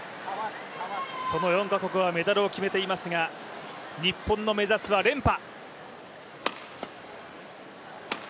その４か国はメダルを決めていますが日本の目指すは連覇。